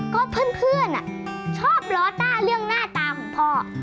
ก็เพื่อนชอบล้อต้าเรื่องหน้าตาของพ่อ